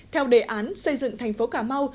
theo đề án xây dựng thành phố cà mau